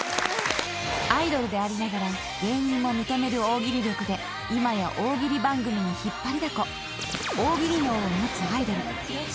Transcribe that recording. ［アイドルでありながら芸人も認める大喜利力で今や大喜利番組に引っ張りだこ］